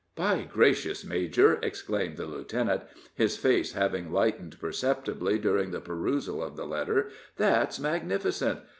"By gracious, major!" exclaimed the lieutenant, his face having lightened perceptibly during the perusal of the letter, "that's magnificent!